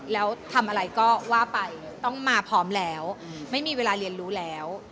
แล้วทำอะไรก็ว่าไปต้องมาพร้อมแล้วไม่มีเวลาเรียนรู้แล้ว